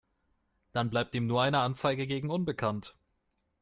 Dann bleibt ihm nur eine Anzeige gegen unbekannt.